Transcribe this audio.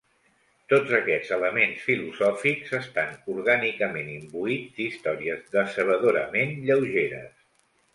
Tots aquests elements filosòfics estan orgànicament imbuïts d'històries decebedorament lleugeres.